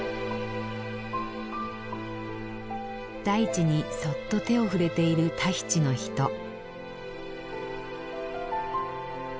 大地にそっと手を触れているタヒチの人。